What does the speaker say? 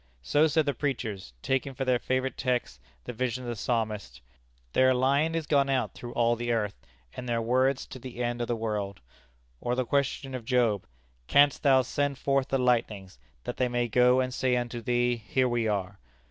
So said the preachers, taking for their favorite text the vision of the Psalmist, "Their line is gone out through all the earth, and their words to the end of the world;" or the question of Job: "Canst thou send forth the lightnings, that they may go and say unto thee, Here we are?"